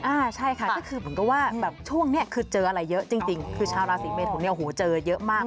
อ่าใช่ค่ะก็คือเหมือนกับว่าแบบช่วงนี้คือเจออะไรเยอะจริงคือชาวราศีเมทุนเนี่ยโอ้โหเจอเยอะมาก